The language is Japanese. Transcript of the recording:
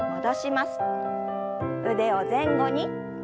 腕を前後に。